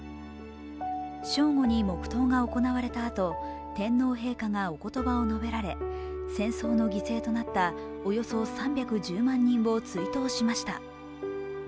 正午に黙とうが行われたあと天皇陛下がおことばを述べられ戦争の犠牲となったおよそ３１０万人を追悼しました。